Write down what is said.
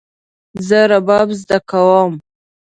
زه رباب زده کوم